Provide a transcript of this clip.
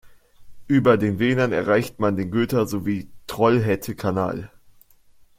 Über den Vänern erreicht man den Göta-, sowie Trollhätte-Kanal.